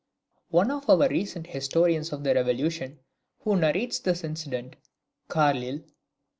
] One of our recent historians of the Revolution, who narrates this incident, [Carlyle.